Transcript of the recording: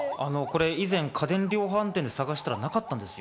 以前、家電量販店で探したらなかったんですよ。